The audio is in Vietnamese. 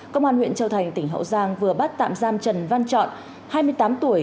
công an huyện châu thành tỉnh hậu giang vừa bắt tạm giam trần văn chọn hai mươi tám tuổi